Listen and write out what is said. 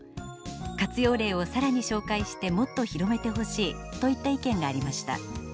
活用例を更に紹介してもっと広めてほしい」といった意見がありました。